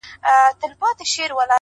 خوبيا هم ستا خبري پټي ساتي.